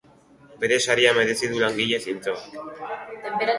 Bere saria merezi du langile zintzoak.